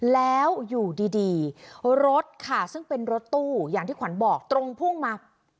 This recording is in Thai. แล้วอยู่ดีรถค่ะซึ่งเป็นรถตู้อย่างที่ขวัญบอกตรงพุ่งมา